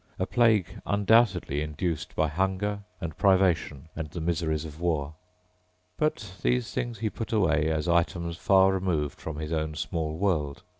A plague undoubtedly induced by hunger and privation and the miseries of war. But those things he put away as items far removed from his own small world.